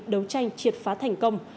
đấu tranh triệt phá thành công